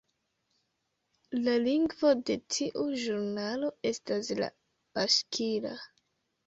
La lingvo de tiu ĵurnalo estas la baŝkira.